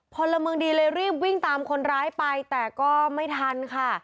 พลเมืองดีเลยรีบวิ่งตามคนร้ายไปแต่ก็ไม่ทันค่ะ